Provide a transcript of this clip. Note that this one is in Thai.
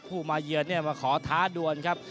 ผู้มาเยือนเนี่ยมาขอท้าด่วนครับ